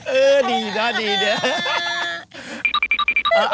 เออดีนะดีนะ